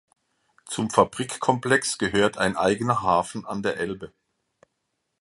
Zum Fabrikkomplex gehört ein eigener Hafen an der Elbe.